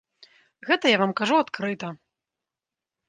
Гэта я вам кажу адкрыта.